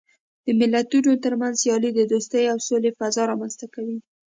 د ملتونو ترمنځ سیالۍ د دوستۍ او سولې فضا رامنځته کوي.